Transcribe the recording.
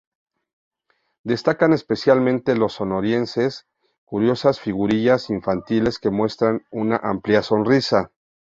Destacan especialmente los "Sonrientes", curiosas figurillas infantiles que muestran una amplia sonrisa.